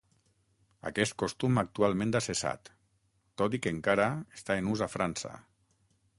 Aquest costum actualment ha cessat, tot i que encara està en ús a França.